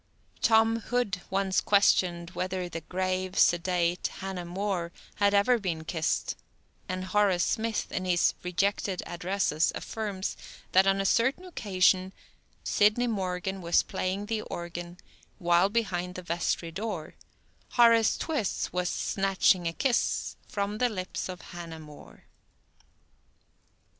Tom Hood once questioned whether the grave, sedate Hannah More had ever been kissed; and Horace Smith, in his "Rejected Addresses," affirms that on a certain occasion: Sidney Morgan was playing the organ, While behind the vestry door Horace Twiss was snatching a kiss From the lips of Hannah More.